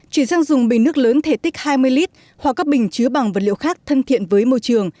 chuyển sang dùng bình nước lớn thể tích hai mươi lít hoặc các bình chứa bằng vật liệu khác thân thiện với môi trường